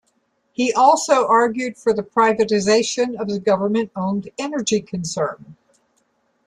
He also argued for the privatization of the government owned energy concern.